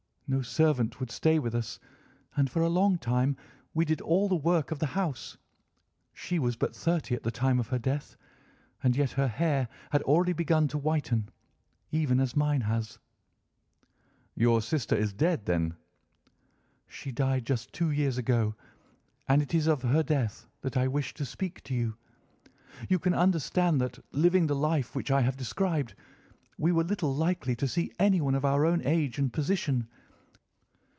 No servant would stay with us, and for a long time we did all the work of the house. She was but thirty at the time of her death, and yet her hair had already begun to whiten, even as mine has." "Your sister is dead, then?" "She died just two years ago, and it is of her death that I wish to speak to you. You can understand that, living the life which I have described, we were little likely to see anyone of our own age and position.